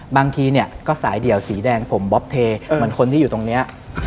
บางทีเนี่ยก็สายเดี่ยวสีแดงผมบ๊อบเทเหมือนคนที่อยู่ตรงนี้